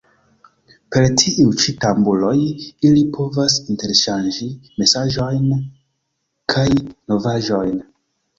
Per tiuj ĉi tamburoj ili povas interŝanĝi mesaĝojn kaj novaĵojn.